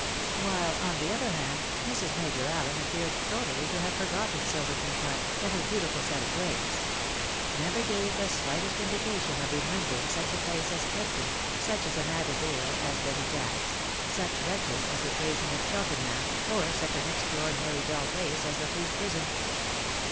While, on the other hand, Mrs. Major Allen appeared totally to have for gotten Silverton Park, and her beautiful set of grays ; never gave the slightest indication of remembering such a place as Clifton, such an Abigail as Betty Jacks, such wretches as the MUTUAL OBLIVION. 17 tradesmen of Cheltenliam, or such an extraordinaxy dull place as the Fleet Prison.